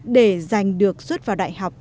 để giành được xuất vào đại học